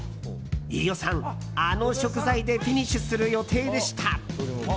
飯尾さん、あの食材でフィニッシュする予定でした。